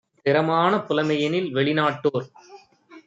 திறமான புலமையெனில் வெளி நாட்டோ ர்